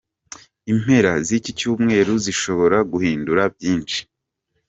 Impera z’iki cyumweru zishobora guhindura byinshi